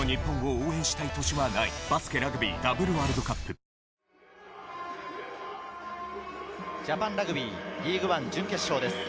新「和紅茶」ジャパンラグビーリーグワン準決勝です。